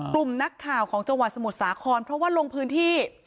กลุ่มนักข่าวของจังหวัดสมุทรสาครเพราะว่าลงพื้นที่